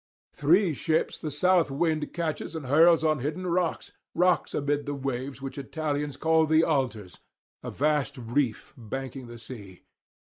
Three ships the south wind catches and hurls on hidden rocks, rocks amid the waves which Italians call the Altars, a vast reef banking the sea.